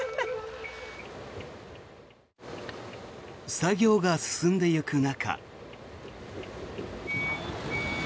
作業が進んでいく中。